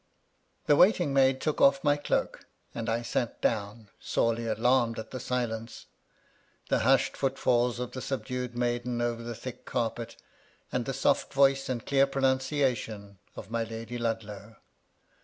The waiting maid took off my cloak, and I sat down, sorely alarmed at the silence, the hushed foot falls of the subdued maiden over the thick carpet, and the soft voice and clear pronunciation of my Lady Ludlow.